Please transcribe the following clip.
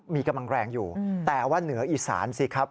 มีกำลังแรงอยู่แต่ว่าเหนืออีสานสิครับ